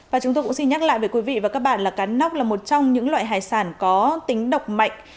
và chúng tôi cũng xin nhắc lại với quý vị và các bạn là cá nóc là một trong những loại hải sản có tính độc mạnh